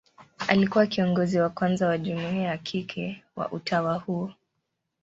Alikuwa kiongozi wa kwanza wa jumuia ya kike wa utawa huo.